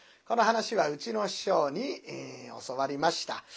この噺はうちの師匠に教わりました。